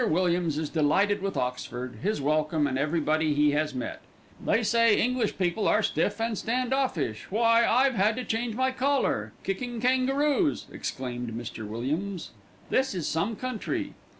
Williams is delighted with Oxford, his welcome, and everybody he has met. 'They say English people are stiff and stand offish why, I've had to change my collar. Kicking kangaroos!' exclaimed Mr. Williams, 'this is some country.'